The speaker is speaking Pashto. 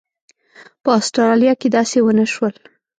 په اسټرالیا کې داسې ونه شول.